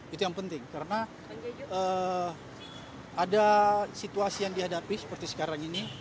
itu yang penting karena ada situasi yang dihadapi seperti sekarang ini